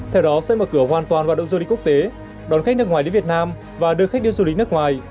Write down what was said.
theo đó sẽ mở cửa hoàn toàn hoạt động du lịch quốc tế đón khách nước ngoài đến việt nam và đưa khách đi du lịch nước ngoài